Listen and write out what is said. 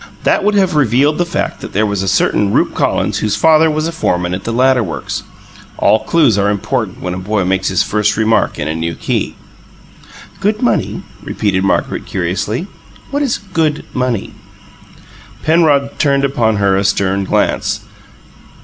That would have revealed the fact that there was a certain Rupe Collins whose father was a foreman at the ladder works. All clues are important when a boy makes his first remark in a new key. "'Good money'?" repeated Margaret, curiously. "What is 'good' money?" Penrod turned upon her a stern glance.